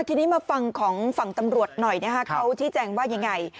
ทีนี้มาฟังของฝั่งตำรวจหน่อยของชิ้นแจงว่าอย่างไร